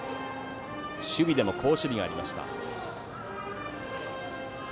守備でも好守備がありました。